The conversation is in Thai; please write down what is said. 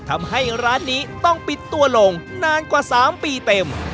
ทำให้ร้านนี้ต้องปิดตัวลงนานกว่า๓ปีเต็ม